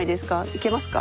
いけますか？